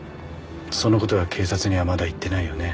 そのことは警察にはまだ言ってないよね？